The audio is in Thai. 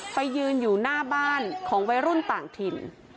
ไปยืนอยู่หน้าบ้านของวัยรุ่นต่างถิ่น